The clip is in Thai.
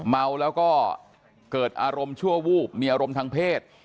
เมาแล้วก็เกิดอารมณ์ชั่ววูบมีอารมณ์ทางเพศ